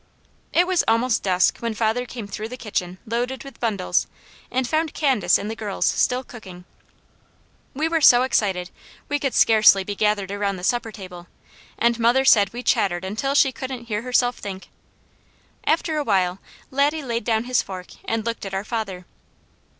It was almost dusk when father came through the kitchen loaded with bundles and found Candace and the girls still cooking. We were so excited we could scarcely be gathered around the supper table, and mother said we chattered until she couldn't hear herself think. After a while Laddie laid down his fork and looked at our father.